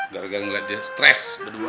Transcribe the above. gara gara ngeliat dia stres berdua